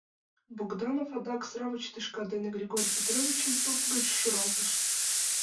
— Богданов адак сравоч тӱшка дене Григорий Петровичым туп гыч шуралтыш.